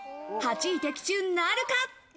８位的中なるか？